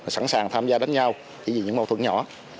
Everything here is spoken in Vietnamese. sẵn sàng tham gia đánh nhau chỉ vì những mâu thuẫn nhỏ